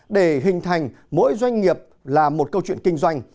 để hình thành mỗi doanh nghiệp là một câu chuyện kinh doanh